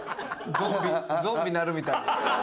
ゾンビゾンビになるみたいな。